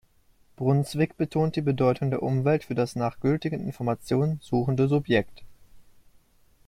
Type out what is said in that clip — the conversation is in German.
Brunswik betont die Bedeutung der Umwelt für das nach gültigen Informationen suchende Subjekt.